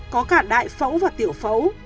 có cả đại phẫu và tiểu phẫu